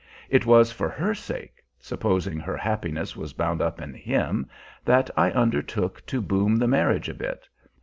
It was for her sake, supposing her happiness was bound up in him, that I undertook to boom the marriage a bit.